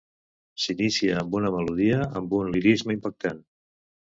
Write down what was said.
S'inicia amb una melodia amb un lirisme impactant.